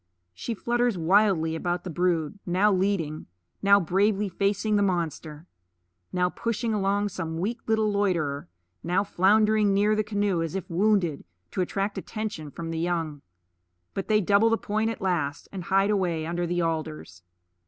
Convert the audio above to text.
She flutters wildly about the brood, now leading, now bravely facing the monster; now pushing along some weak little loiterer, now floundering near the canoe as if wounded, to attract attention from the young. But they double the point at last, and hide away under the alders.